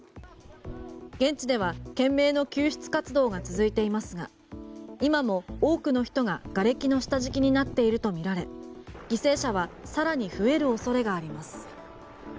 現地では懸命の救出活動が続いていますが今も多くの人ががれきの下敷きになっているとみられ犠牲者はさらに増える恐れがあります。